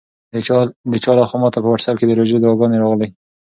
د چا لخوا ماته په واټساپ کې د روژې دعاګانې راغلې.